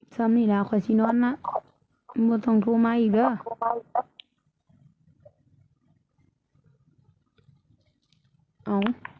ซ้ำนี่ล่ะขวาชิน้อนล่ะมัวต้องโทรมาอีกหรือ